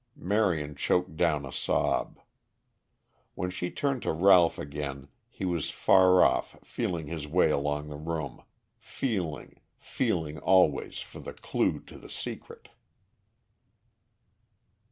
Marion choked down a sob. When she turned to Ralph again he was far off feeling his way along the room feeling, feeling always for the clue to the secret.